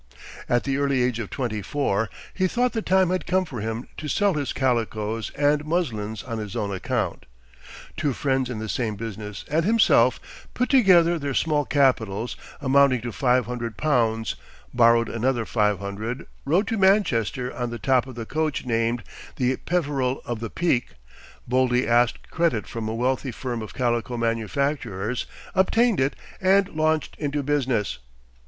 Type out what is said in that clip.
At the early age of twenty four he thought the time had come for him to sell his calicoes and muslins on his own account. Two friends in the same business and himself put together their small capitals, amounting to five hundred pounds, borrowed another five hundred, rode to Manchester on the top of the coach named the Peveril of the Peak, boldly asked credit from a wealthy firm of calico manufacturers, obtained it, and launched into business.